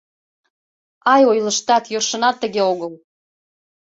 — Ай, ойлыштат, йӧршынат тыге огыл.